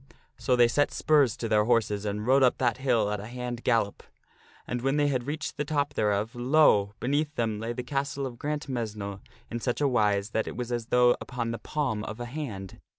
So they set spurs to their horses and rode up that hill at a hand gallop. And when they had reached the top thereof, lo ! be They reach neath them lay the Castle of Grantmesnle in such a wise that Grantmesnk. it was as though upon the palm of a hand.